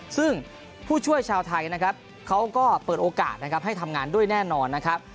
ซึ่งผู้ช่วยชาวไทยเขาก็เปิดโอกาสให้ทำงานด้วยแน่นอนนะครับ